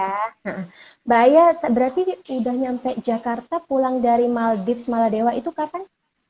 baik mbak aya berarti sudah sampai jakarta pulang dari maldives maladewa itu kapan